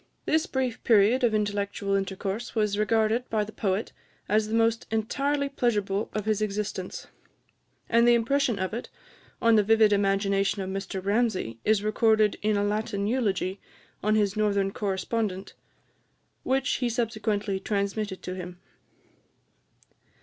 This brief period of intellectual intercourse was regarded by the poet as the most entirely pleasurable of his existence; and the impression of it on the vivid imagination of Mr Ramsay is recorded in a Latin eulogy on his northern correspondent, which he subsequently transmitted to him.